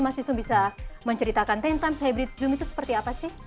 mas wisnu bisa menceritakan sepuluh time hybrid zoom itu seperti apa sih